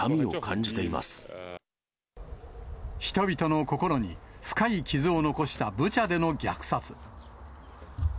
人々の心に、深い傷を残したブチャでの虐殺。